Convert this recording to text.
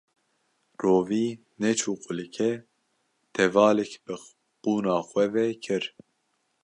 Rovî neçû qulikê tevalek bi qûna xwe ve kir